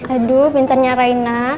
aduh pintarnya rina